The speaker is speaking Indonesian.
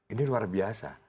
ini luar biasa